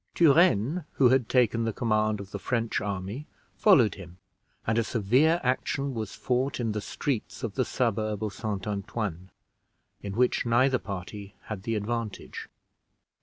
Turenne, who had taken the command of the French army, followed him, and a severe action was fought in the streets of the suburb of St. Antoine, in which neither party had the advantage.